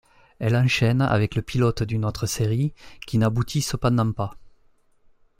Elle enchaîne avec le pilote d'une autre série, qui n'about cependant pas.